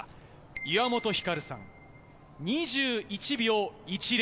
岩本照さん、２１秒１０。